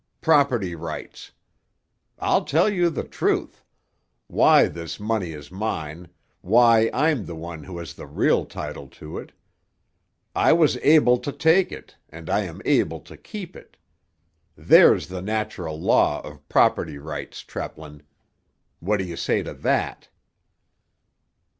Property rights! I'll tell you the truth—why this money is mine, why I'm the one who has the real title to it. I was able to take it, and I am able to keep it. There's the natural law of property rights, Treplin. What do you say to that?"